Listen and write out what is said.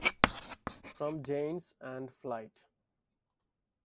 From Jane's and Flight.